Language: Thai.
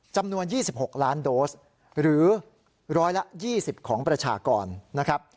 จำนวน๒๖ล้านโดสหรือ๑๒๐ของประชากรนะครับ